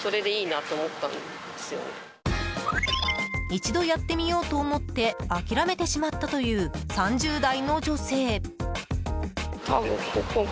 一度やってみようと思って諦めてしまったという３０代の女性。